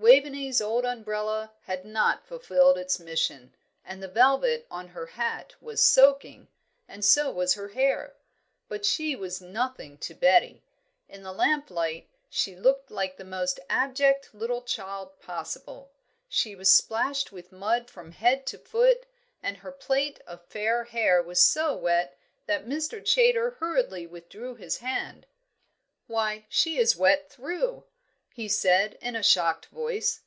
Waveney's old umbrella had not fulfilled its mission, and the velvet on her hat was soaking, and so was her hair. But she was nothing to Betty. In the lamplight she looked the most abject little child possible. She was splashed with mud from head to foot, and her plait of fair hair was so wet that Mr. Chaytor hurriedly withdrew his hand. "Why, she is wet through!" he said, in a shocked voice.